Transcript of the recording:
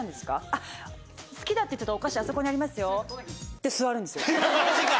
あっ、好きだって言ってたお菓子、あそこにありますよ、って座るんマジか！